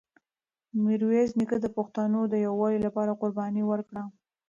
میرویس نیکه د پښتنو د یووالي لپاره قرباني ورکړه.